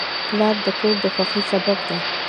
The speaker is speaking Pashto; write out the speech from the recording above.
پلار د کور د خوښۍ سبب دی.